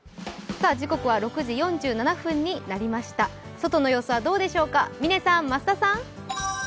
外の様子はどうでしょうか、嶺さん、増田さん。